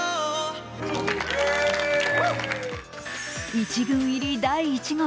１軍入り第１号。